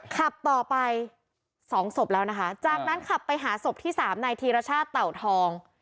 ขับต่อไปสองศพแล้วนะคะจากนั้นขับไปหาศพที่สามนายธีรชาติเต่าทอง